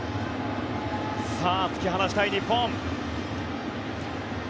さあ、突き放したい日本。